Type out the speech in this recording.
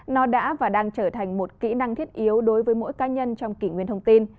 nó đã và đang trở thành một kỹ năng thiết yếu đối với mỗi cá nhân trong kỷ nguyên thông tin